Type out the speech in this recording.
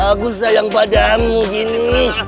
aku sayang padamu gini